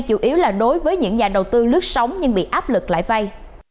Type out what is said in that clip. chủ yếu là đối với những nhà đầu tư lướt sóng nhưng bị áp lực lại vay